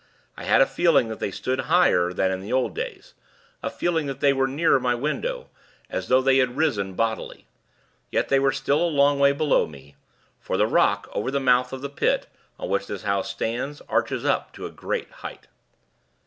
I had a feeling that they stood higher, than in the old days; a feeling that they were nearer my window, as though they had risen, bodily. Yet, they were still a long way below me; for the rock, over the mouth of the pit, on which this house stands, arches up to a great height.